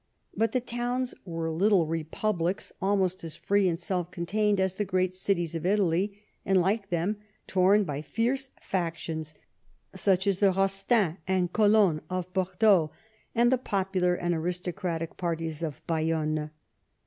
But the towns were little republics, almost as free and as self contained as the great cities of Italy, and like them torn by fierce factions, such as the Eosteins and Colons of Bordeaux, and the popular and aristocratic parties of Bayonne.